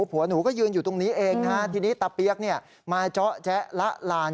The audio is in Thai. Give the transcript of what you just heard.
ผัวหนูก็ยืนอยู่ตรงนี้เองนะฮะทีนี้ตาเปี๊ยกเนี่ยมาเจาะแจ๊ละลาน